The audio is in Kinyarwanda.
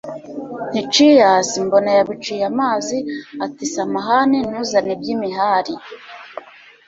nti cheers mbona yabiciye amazi, ati samahani ntuzane iby'imihari